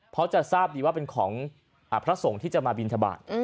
เพราะจะทราบดีว่าเป็นของพระสงฆ์ที่จะมาบินทบาท